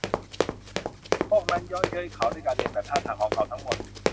พวกนั้นเยาะเย้ยเขาด้วยการเลียนแบบท่าทางของเขาทั้งหมด